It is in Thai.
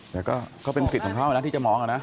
แต่ก็เป็นสิทธิ์ของเขานะที่จะมองนะ